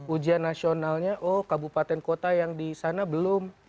ujian nasionalnya oh kabupaten kota yang di sana belum